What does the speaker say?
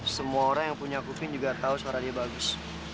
semua orang yang punya kuping juga tahu suaranya bagus